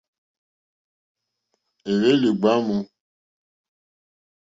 Éhwélì ɡbámù.